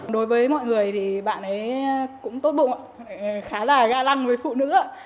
đối với mọi người thì bạn ấy cũng tốt bụng khá là ga lăng với phụ nữ